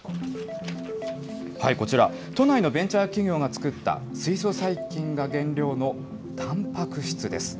こちら、都内にベンチャー企業が作った水素細菌が原料のたんぱく質です。